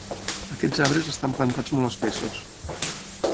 Aquests arbres estan plantats molt espessos.